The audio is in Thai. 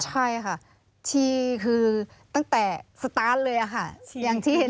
ใช่ค่ะชีคือตั้งแต่สตาร์ทเลยค่ะอย่างที่เห็น